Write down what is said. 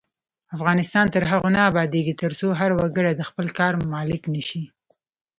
افغانستان تر هغو نه ابادیږي، ترڅو هر وګړی د خپل کار مالک نشي.